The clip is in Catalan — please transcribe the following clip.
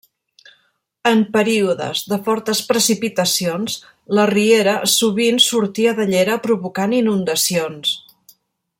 En períodes de fortes precipitacions la riera sovint sortia de llera provocant inundacions.